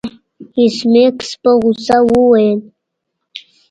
ایس میکس په غوسه وویل